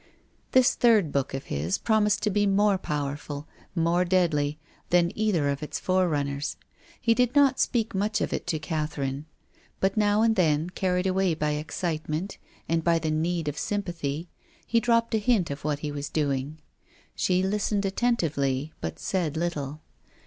This third book of his promised to be more powerful, more deadly, than either of its fore runners. He did not speak much of it to Cathe rine. But now and then, carried away by excite meat and by the need of sympathy, he dropped a hint of what he was doing. She listened atten tively but said little.